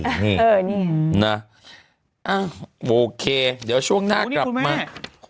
นี่นะโอเคเดี๋ยวช่วงหน้ากลับมาอ๋อนี่คุณแม่